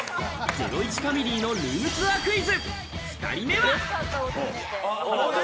ゼロイチファミリーのルームツアークイズ、２人目は。